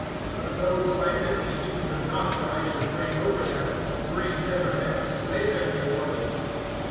(27)But those my enemies, who would not that I should reign over them, bring hither, and slay them before me.